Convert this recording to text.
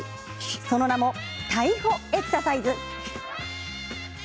その名も逮捕エクササイズ。